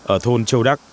ở thôn châu đắc